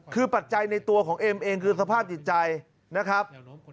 คือปัจจัยในตัวของเอ็มเองคือสภาพจิตใจนะครับ